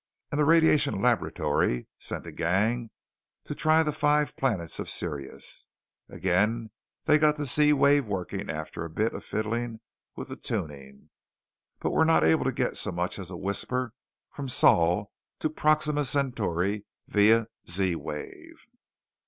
"And the Radiation Laboratory sent a gang to try the five planets of Sirius. Again they got the Z wave working after a bit of fiddling with the tuning. But we've not been able to get so much as a whisper from Sol to Proxima Centauri via Z wave.